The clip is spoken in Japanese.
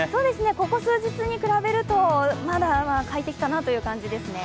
ここ数日と比べるとまだ快適かなという感じですね。